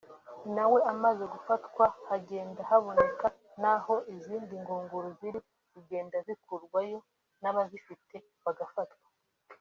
nawe amaze gufatwa hagenda haboneka n’aho izindi ngunguru ziri zigenda zikurwayo n’abazifite bafatwa